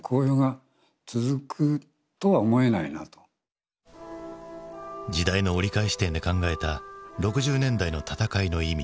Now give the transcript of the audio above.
つまりあの時代の折り返し点で考えた６０年代の闘いの意味。